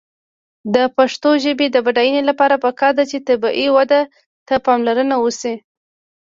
د پښتو ژبې د بډاینې لپاره پکار ده چې طبیعي وده ته پاملرنه وشي.